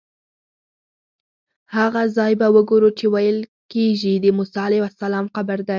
هغه ځای به وګورو چې ویل کېږي د موسی علیه السلام قبر دی.